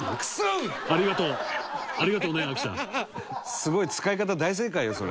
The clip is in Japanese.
すごい使い方大正解よそれ。